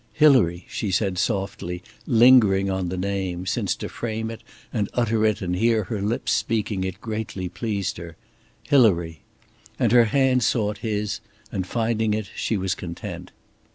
"Hilary," she said softly, lingering on the name, since to frame it and utter it and hear her lips speaking it greatly pleased her, "Hilary," and her hand sought his, and finding it she was content.